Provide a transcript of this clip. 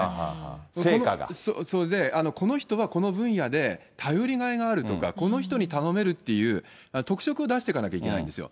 それでこの人はこの分野で頼りがいがあるとか、この人に頼めるっていう特色を出してかなきゃいけないんですよ。